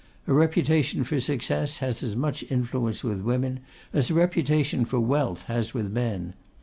A reputation for success has as much influence with women as a reputation for wealth has with men.